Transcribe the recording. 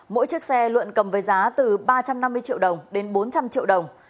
mỗi chiếc xe luận cầm với giá từ ba trăm năm mươi triệu đồng đến bốn trăm linh triệu đồng